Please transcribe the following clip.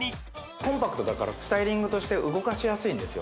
コンパクトだからスタイリングとして動かしやすいんですよ